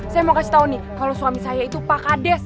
saya mau kasih tau nih kalau suami saya itu pak kades